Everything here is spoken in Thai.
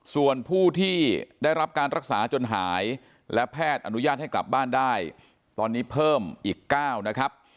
ส่วนผู้ที่ได้รับการรักษาจนหายและแพทย์อนุญาตให้กลับบ้านได้ตอนนี้เพิ่มอีก๙นะครับ